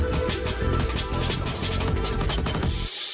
โปรดติดตามตอนต่อไป